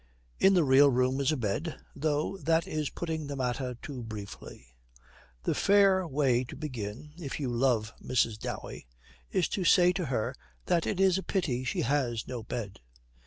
In the real room is a bed, though that is putting the matter too briefly. The fair way to begin, if you love Mrs. Dowey, is to say to her that it is a pity she has no bed.